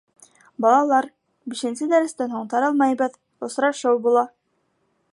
— Балалар, бишенсе дәрестән һуң таралмайбыҙ, осрашыу була.